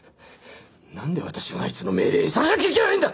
なんで私があいつの命令に従わなきゃいけないんだ！